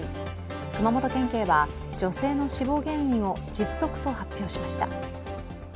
熊本県警は女性の死亡原因を窒息と発表しました。